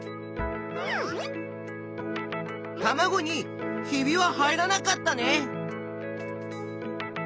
たまごに「ひび」は入らなかったね。